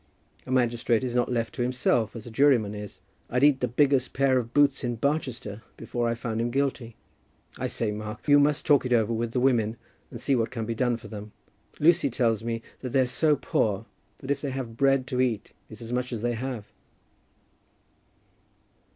A magistrate is not left to himself as a juryman is. I'd eat the biggest pair of boots in Barchester before I found him guilty. I say, Mark, you must talk it over with the women, and see what can be done for them. Lucy tells me that they're so poor, that if they have bread to eat, it's as much as they have."